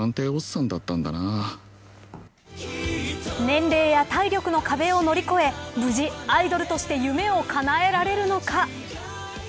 年齢や体力の壁を乗り越え無事アイドルとして夢をかなえられるのか。